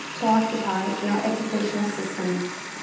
to occupy in our educational system.